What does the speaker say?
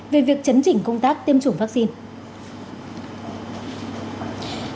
về việc chấn chỉnh công tác tiêm chủng vaccine